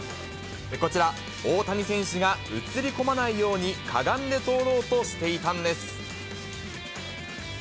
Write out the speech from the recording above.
こちら、大谷選手が写り込まないように、かがんで通ろうとしていたんです。